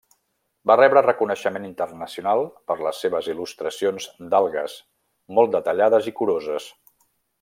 Va rebre reconeixement internacional per les seves il·lustracions d'algues, molt detallades i curoses.